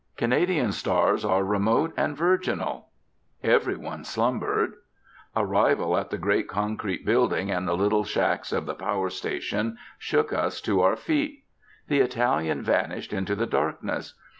Canadian stars are remote and virginal. Everyone slumbered. Arrival at the great concrete building and the little shacks of the power station shook us to our feet. The Italian vanished into the darkness.